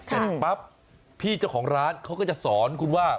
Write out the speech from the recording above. เสร็จปั๊บพี่เจ้าของร้านเขาก็จะสอนคุณว่า